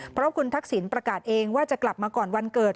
เพราะคุณทักษิณประกาศเองว่าจะกลับมาก่อนวันเกิด